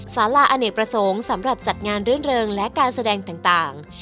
สาราอเนกประสงค์สำหรับจัดงานรื่นเริงและการแสดงต่าง